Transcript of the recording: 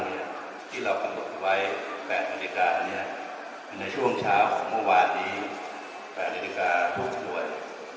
ที่เรากำหนดไว้๘นาฬิกาในช่วงเช้าของเมื่อวานนี้๘นาฬิกาทุกส่วน